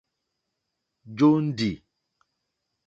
Jóndì.